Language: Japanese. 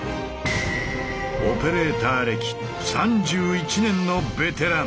オペレーター歴３１年のベテラン。